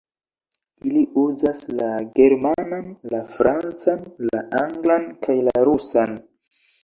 Ili uzas la germanan, la francan, la anglan kaj la rusan.